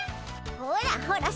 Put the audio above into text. ほらほら